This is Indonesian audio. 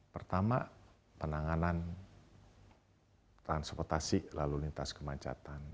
pertama penanganan transportasi lalu lintas kemacetan